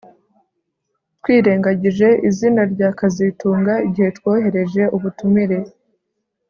Twirengagije izina rya kazitunga igihe twohereje ubutumire